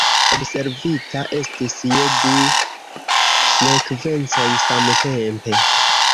Observita estis je du frekvencoj samtempe.